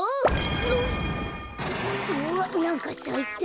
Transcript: おっうわっなんかさいた。